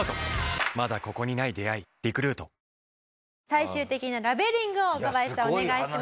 最終的なラベリングを若林さんお願いします。